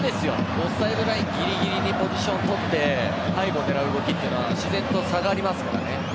オフサイドラインぎりぎりにポジションを取って背後を狙う動きは自然と下がりますからね。